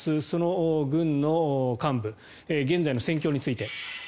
その軍の幹部現在の戦況について。